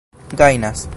gajnas